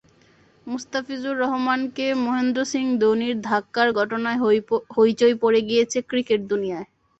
মুস্তাফিজুর রহমানকে মহেন্দ্র সিং ধোনির ধাক্কার ঘটনায় হইচই পড়ে গিয়েছে ক্রিকেট দুনিয়ায়।